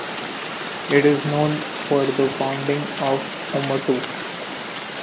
It is known for the founding of Oomoto.